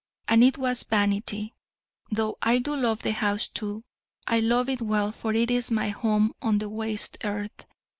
And it was Vanity: though I do love the house, too, I love it well, for it is my home on the waste earth.